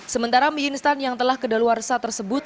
sementara mie instan yang telah kadal warsa tersebut